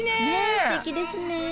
すてきですね。